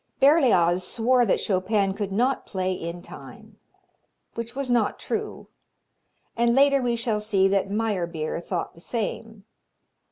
Berlioz swore that Chopin could not play in time which was not true and later we shall see that Meyerbeer thought the same.